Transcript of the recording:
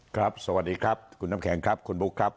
สวัสดีครับคุณน้ำแข็งครับคุณบุ๊คครับ